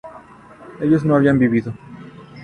ellos no habían vivido